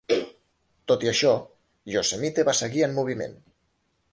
Tot i això, "Yosemite" va seguir en moviment.